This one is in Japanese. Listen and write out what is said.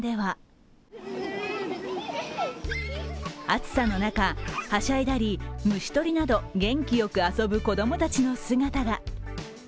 暑さの中、はしゃいだり、虫取りなど、元気よく遊ぶ子供たちの姿が。